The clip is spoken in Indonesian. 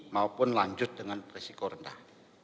maupun lanjut dengan risiko rendah